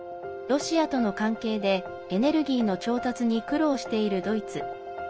ロシアとの関係でエネルギーの調達に苦労しているドイツ。